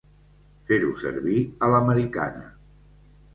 Fer-ho servir a l'americana.